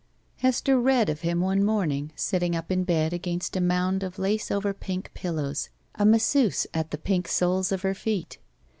Hester read of him one morning, sitting up in bed against a mound of lace over pink pillows, a mas seuse at the pink soles of her feet.